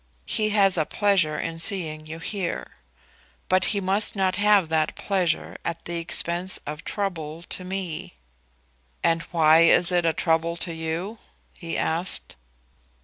He has a pleasure in seeing you here. But he must not have that pleasure at the expense of trouble to me." "And why is it a trouble to you?" he asked.